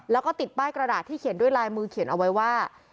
แล้วก็ติดป้ายกระดาษที่เขียนด้วยลายมือเขียนเอาไว้ว่า